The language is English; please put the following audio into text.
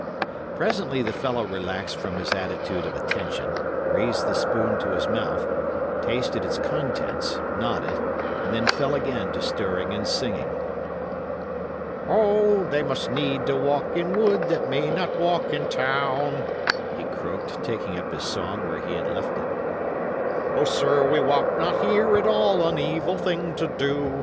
Presently the fellow relaxed from his attitude of attention, raised the spoon to his mouth, tasted its contents, nodded, and then fell again to stirring and singing. "'O, they must need to walk in wood that may not walk in town,'" he croaked, taking up his song where he had left it. "O, sir, we walk not here at all an evil thing to do.